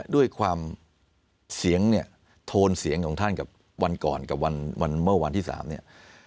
ด้วยความเสียงเนี่ยโทนเสียงของท่านกับวันก่อนกับวันเมื่อวันที่๓เนี่ย